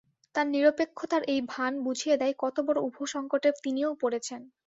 তাঁর নিরপেক্ষতার এই ভান বুঝিয়ে দেয় কত বড় উভসংকটে তিনিও পড়েছেন।